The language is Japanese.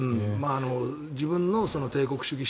自分の帝国主義